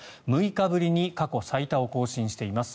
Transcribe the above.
６日ぶりに過去最多を更新しています。